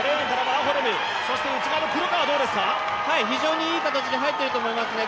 黒川は非常にいい形で入っていると思いますね。